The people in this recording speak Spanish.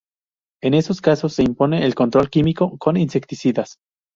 En esos casos se impone el control químico con insecticidas.